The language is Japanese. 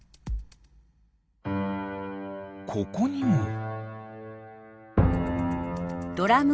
ここにも。